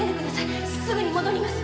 すぐに戻ります！